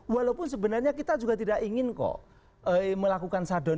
walaupun sebenarnya kita juga tidak ingin kok melakukan shutdown